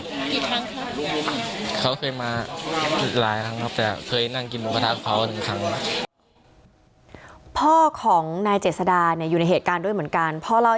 บุกมะกราดยิงถึงที่บ้านมีน้องผู้หญิงคนหนึ่งเกือบจะโดนลูกหลงไปด้วยนะคะ